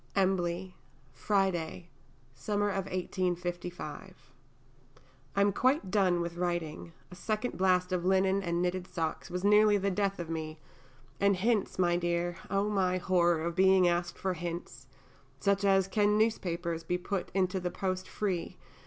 _) EMBLEY, Friday [Summer of 1855]. I am quite done with writing, a second blast of linen and knitted socks was nearly the death of me, and 'hints,' my dear! oh, my horror of being asked for hints, such as "can newspapers be put into the post free?"